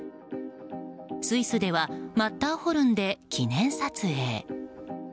スイスではマッターホルンで記念撮影。